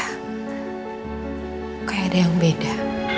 kok kayak ada yang beda